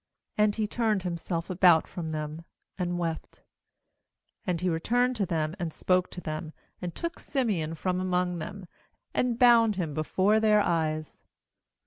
MAnd he turned himself about from them, and wept; and he returned to them, and spoke to them, and took Simeon from among them, and bound him before their eyes.